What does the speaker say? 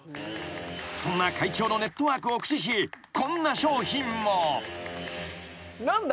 ［そんな会長のネットワークを駆使しこんな商品も］何だ？